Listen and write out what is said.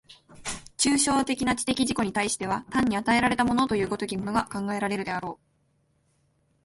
抽象的な知的自己に対しては単に与えられたものという如きものが考えられるであろう。